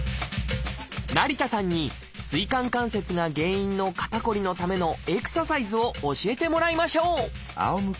成田さんに椎間関節が原因の肩こりのためのエクササイズを教えてもらいましょう！